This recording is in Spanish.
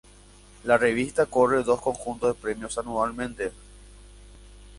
La revista corre dos conjuntos de premios anualmente.